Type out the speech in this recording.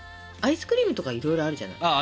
アイスクリームとかいろいろあるじゃない？